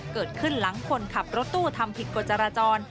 เกิดขึ้นหลังคนขับรถตู้ทำผิดกฎจราจร